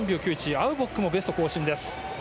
アウボックもベスト更新です。